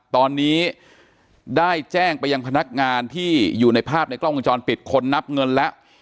ตอนนี้ได้แจ้งไปยังพนักงานที่อยู่ในภาพในกล้องวงจรปิดคนนับเงินแล้ว